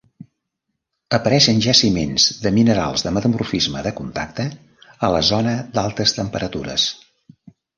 Apareix en jaciments de minerals de metamorfisme de contacte, a la zona d'altes temperatures.